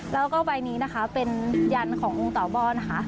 แล้วก็ใบนี้นะคะเป็นยันขององค์เต่าบ้อนค่ะ